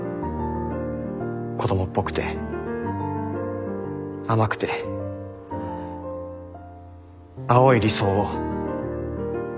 子供っぽくて甘くて青い理想を。